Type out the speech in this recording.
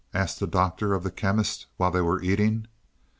asked the Doctor of the Chemist while they were eating.